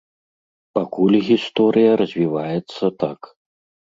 Пакуль гісторыя развіваецца так.